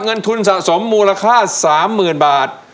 เงินทุนสะสมมูลค่า๓๐๐๐บาท